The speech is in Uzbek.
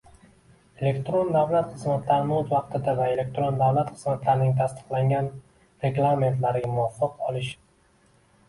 elektron davlat xizmatlarini o‘z vaqtida va elektron davlat xizmatlarining tasdiqlangan reglamentlariga muvofiq olish;